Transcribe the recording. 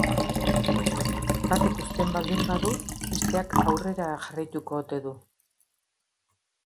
Batek uzten baldin badu, besteak aurrera jarraituko ote du?